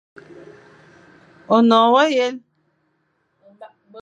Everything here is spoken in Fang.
Ônon wa yel,,